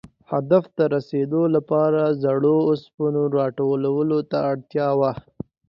هدف ته رسېدو لپاره زړو اوسپنو را ټولولو ته اړتیا وه.